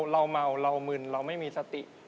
เราเมาเรามึนเราไม่มีสติ